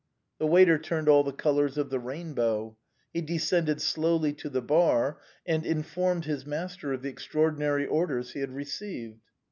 The waiter turned all the colors of the rainbow. He descended slowly to the bar, and informed his master of the extraordinary orders he had received.